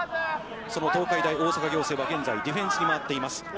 その東海大大阪仰星は、現在ディフェンスに回っています。